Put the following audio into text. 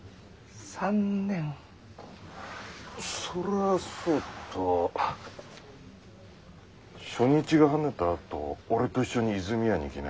そりゃそうと初日がはねたあと俺と一緒に和泉屋に来な。